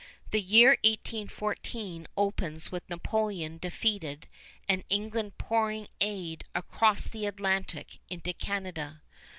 The year 1814 opens with Napoleon defeated and England pouring aid across the Atlantic into Canada.